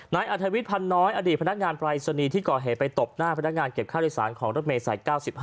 นายอัธวิทย์พันธ์น้อยอดีตพนักงานปรายศนีย์ที่ก่อเหตุไปตบหน้าพนักงานเก็บค่าโดยสารของรถเมย์สาย๙๕